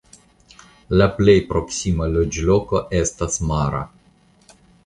La plej proksima loĝloko estas Mara.